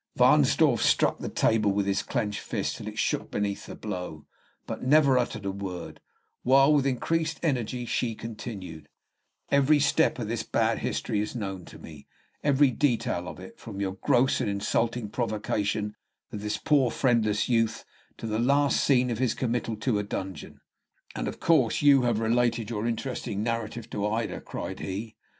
Wahnsdorf struck the table with his clenched fist till it shook beneath the blow, but never uttered a word, while with increased energy she continued, "Every step of this bad history is known to me; every detail of it, from your gross and insulting provocation of this poor friendless youth to the last scene of his committal to a dungeon." "And, of course, you have related your interesting narrative to Ida?" cried he.